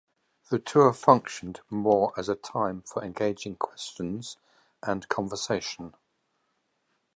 The tour functioned more as a time for engaging questions and conversation.